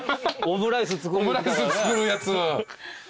オムライス作るやつ。